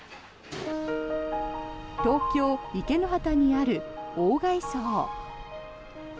東京・池之端にある鴎外荘。